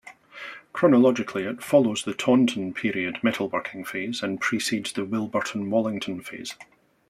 Chronologically it follows the Taunton Period metalworking phase, and precedes the Wilburton-Wallington Phase.